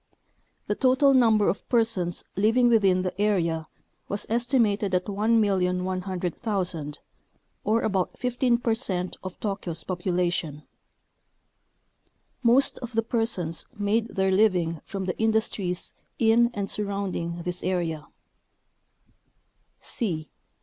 The total number of per sons living within the area was estimated at 1,100,000 or about 15 percent of Tokyo's popu lation. Most of the persons made their living from the industries in and surrounding this area.